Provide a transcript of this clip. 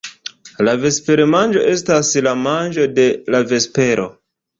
La vespermanĝo estas la manĝo de la vespero.